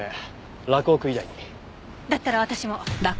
だったら私も。